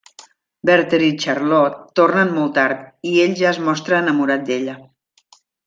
Werther i Charlotte tornen molt tard, i ell ja es mostra enamorat d'ella.